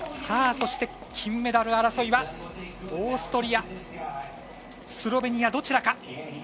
金メダル争いはオーストリア、スロベニアどちらか。